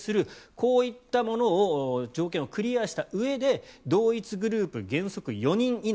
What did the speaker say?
こういったものを条件をクリアしたうえで同一グループ原則４人以内。